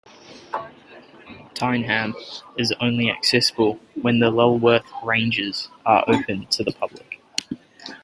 Tyneham is only accessible when the Lulworth Ranges are open to the public.